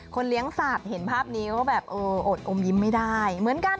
คนเลี้ยงสัตว์เห็นภาพนี้ก็แบบเออโอดอมยิ้มไม่ได้